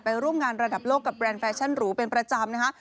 ร่วมงานระดับโลกกับแบรนดแฟชั่นหรูเป็นประจำนะคะ